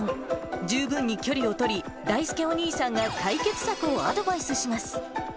十分に距離を取り、だいすけお兄さんが解決策をアドバイスします。